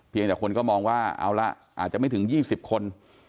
แต่คนก็มองว่าเอาละอาจจะไม่ถึง๒๐คน